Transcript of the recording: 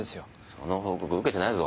その報告受けてないぞ！